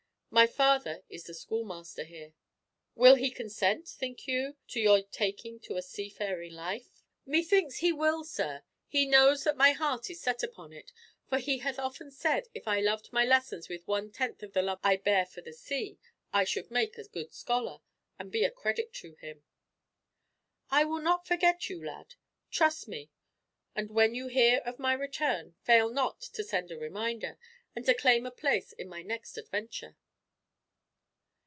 My father is the schoolmaster here." "Will he consent, think you, to your taking to a seafaring life?" "Methinks he will, sir. He knows that my heart is set upon it, for he hath often said if I loved my lessons with one tenth of the love I bear for the sea, I should make a good scholar, and be a credit to him." "I will not forget you, lad. Trust me, and when you hear of my return, fail not to send a reminder, and to claim a place in my next adventure."